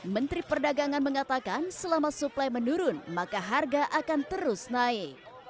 menteri perdagangan mengatakan selama suplai menurun maka harga akan terus naik